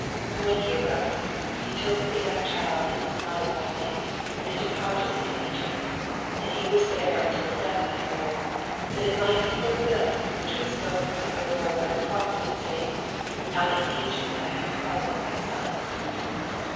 14 When he arose, he took the young child and his mother by night, and departed into Egypt : 15 ^d was there until the death of Herod : that it might be fulfilled which was opokcn of uie Lord by the prophet, saying. Out of Egypt have I called my son.